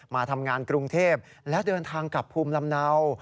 มาทำงานกรุงเทพและเดินทางกลับภูมิลำเนา